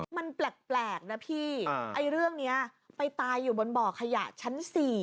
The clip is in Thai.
มันแปลกนะพี่ไอ้เรื่องนี้ไปตายอยู่บนบ่อขยะชั้น๔